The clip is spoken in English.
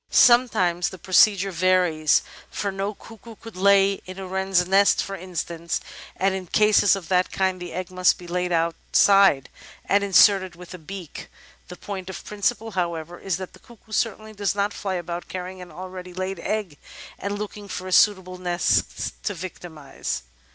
Sometimes the procedure varies, for no cuckoo could lay in a wren's nest, for instance, and in cases of that kind the egg must be laid out side and inserted with the beak. The point of principle, however, is that the cuckoo certainly does not fly about carrying an already laid egg and looking for a suitable nest to victimise.